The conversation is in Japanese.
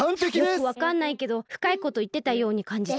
よくわかんないけどふかいこといってたようにかんじた。